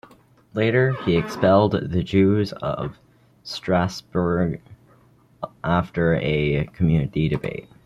Later, he expelled the Jews of Strassburg after a community debate.